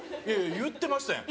言ってましたやん。